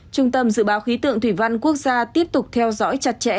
trung tâm dự báo khí tượng thủy văn quốc gia tiếp tục theo dõi chặt chẽ